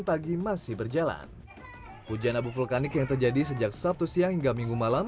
pagi masih berjalan hujan abu vulkanik yang terjadi sejak sabtu siang hingga minggu malam